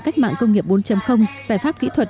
cách mạng công nghiệp bốn giải pháp kỹ thuật